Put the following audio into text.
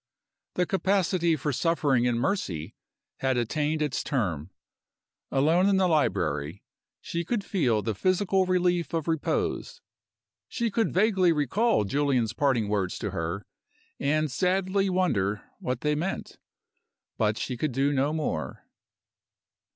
The capacity for suffering in Mercy had attained its term. Alone in the library, she could feel the physical relief of repose; she could vaguely recall Julian's parting words to her, and sadly wonder what they meant she could do no more.